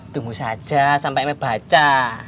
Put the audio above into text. tunggu saja sampai emeh baca